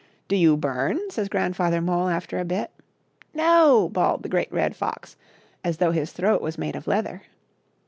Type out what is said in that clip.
Do you burn ?" says Grandfather Mole after a bit. " NO !!!" bawled the Great Red Fox, as though his throat was made of leather.